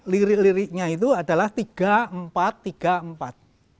lirik liriknya itu adalah tiga empat tiga empat